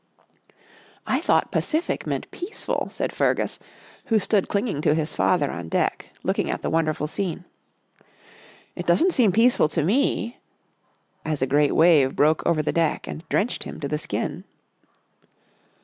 " I thought Pacific meant peaceful," said Fergus, who stood clinging to his father on deck, looking at the wonderful scene. " It doesn't seem peaceful to me," as a great wave broke over the deck and drenched him to the skin.